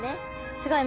すごい。